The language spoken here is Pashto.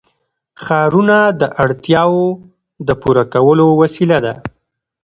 ښارونه د اړتیاوو د پوره کولو وسیله ده.